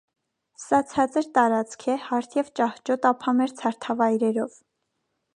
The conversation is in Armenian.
Սա ցածր տարածք է, հարթ և ճահճոտ ափամերձ հարթավայրերով։